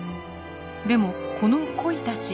でもこのコイたち